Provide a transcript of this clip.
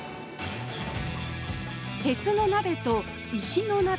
鉄の鍋と石の鍋です。